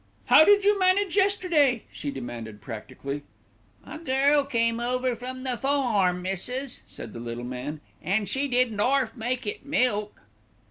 "How did you manage yesterday?" she demanded practically. "A girl come over from the farm, missis," said the little man, "and she didn't 'arf make it milk."